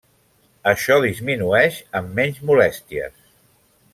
Això disminueix amb menys molèsties.